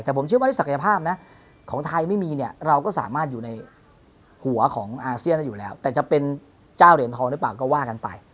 แต่ผมเชื่อว่าในศักยภาพนะของไทยไม่มีเนี่ยเราก็สามารถอยู่ในหัวของอาเซียนได้อยู่แล้วแต่จะเป็นเจ้าเหรียญทองหรือเปล่าก็ว่ากันไป